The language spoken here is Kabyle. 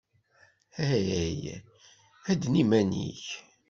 Hey, hedden iman-ik.